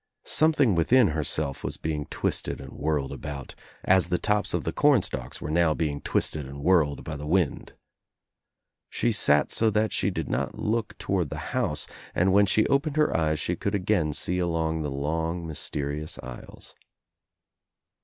Something within herself was being twisted and whirled about as the tops of the corn stalks were now being twisted and whirled by the wind. She sat so that she did not look I THE NEW ENGLANDER toward the house and when she opened her eyes she could again see along the long mysterious aisles.